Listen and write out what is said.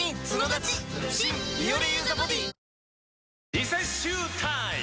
リセッシュータイム！